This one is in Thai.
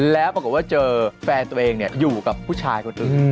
แล้วปรากฏว่าเจอแฟนตัวเองอยู่กับผู้ชายคนอื่น